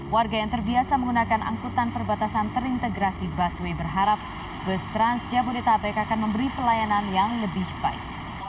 warga yang terbiasa menggunakan angkutan perbatasan terintegrasi busway berharap bus trans jabodetabek akan memberi pelayanan yang lebih baik